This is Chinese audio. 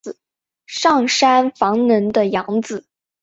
上杉房能的养子。